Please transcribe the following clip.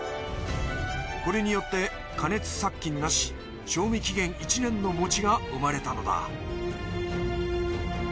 これによって加熱殺菌なし賞味期限１年の餅が生まれたのだ。